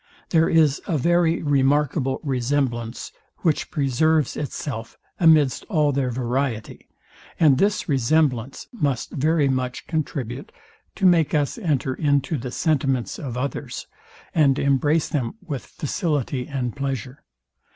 There is a very remarkable resemblance, which preserves itself amidst all their variety; and this resemblance must very much contribute to make us enter into the sentiments of others; and embrace them with facility and pleasure.